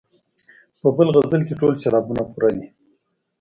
په بل غزل کې ټول سېلابونه پوره دي.